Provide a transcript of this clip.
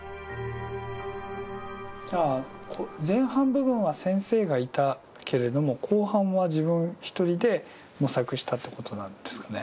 じゃあ前半部分は先生がいたけれども後半は自分一人で模索したってことなんですかね。